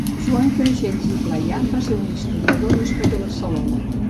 Joan Crexells i Playà va ser un historiador nascut a Barcelona.